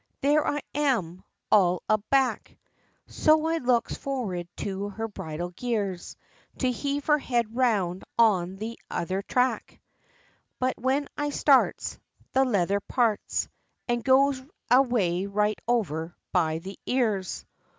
There I am! all a back! So I looks forward for her bridle gears, To heave her head round on the t'other tack; But when I starts, The leather parts, And goes away right over by the ears!